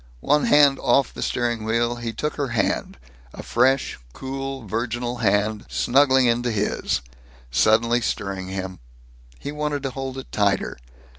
One hand off the steering wheel, he took her hand a fresh, cool, virginal hand, snuggling into his, suddenly stirring him. He wanted to hold it tighter.